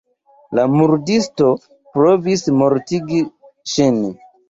La murdisto provis mortigi ŝin.